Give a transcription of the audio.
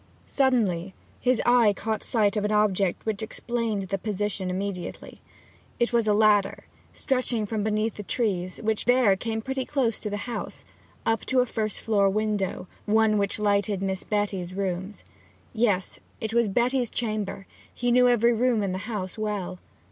Suddenly his eye caught sight of an object which explained the position immediately. It was a ladder stretching from beneath the trees, which there came pretty close to the house, up to a first floor window one which lighted Miss Betty's rooms. Yes, it was Betty's chamber; he knew every room in the house well.